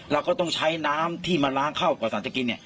เราก็ต้องใช้น้ำที่มาล้างเข้าก่อนเราจะกิน